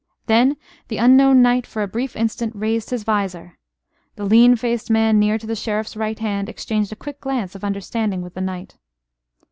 Then the unknown knight for a brief instant raised his vizor. The lean faced man near to the Sheriff's right hand exchanged a quick glance of understanding with the knight.